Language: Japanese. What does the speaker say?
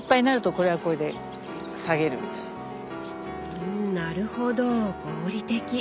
うんなるほど合理的。